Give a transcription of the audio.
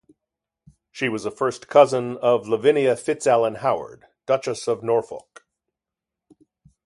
She was a first cousin of Lavinia Fitzalan-Howard, Duchess of Norfolk.